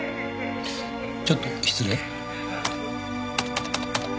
ちょっと失礼。